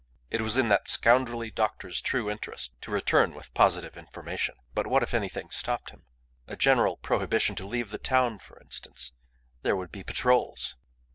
It was in that scoundrelly doctor's true interest to return with positive information. But what if anything stopped him? A general prohibition to leave the town, for instance! There would be patrols!